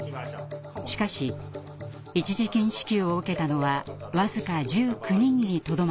しかし一時金支給を受けたのは僅か１９人にとどまっています。